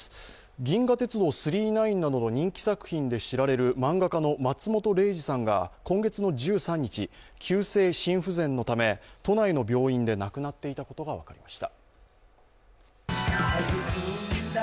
「銀河鉄道９９９」などの人気作品で知られる漫画家の松本零士さんが今月１３日、急性心不全のため、都内の病院で亡くなっていたことが分かりました。